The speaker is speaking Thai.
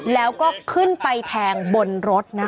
แล้วก็ขึ้นไปแทงบนรถนะคะ